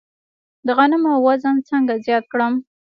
د غنمو وزن څنګه زیات کړم؟